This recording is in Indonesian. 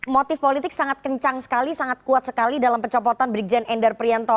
motif politik sangat kencang sekali sangat kuat sekali dalam pencopotan brigjen endar prianto